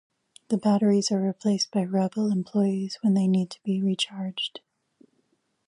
The batteries are replaced by Revel employees when they need to be recharged.